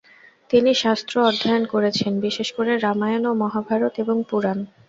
তিনি শাস্ত্র অধ্যয়ন করেছেন, বিশেষ করে, রামায়ণ ও মহাভারত এবং পুরাণ।